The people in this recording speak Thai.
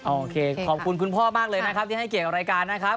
โอเคขอบคุณคุณพ่อมากเลยนะครับที่ให้เกียรติกับรายการนะครับ